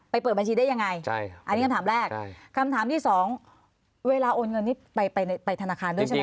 เปิดบัญชีได้ยังไงอันนี้คำถามแรกคำถามที่สองเวลาโอนเงินนี่ไปธนาคารด้วยใช่ไหม